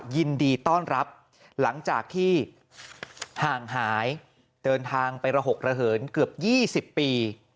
ยินดีต้อนรับหลังจากที่ห่างหายเดินทางไประหกระเหินเกือบ๒๐ปี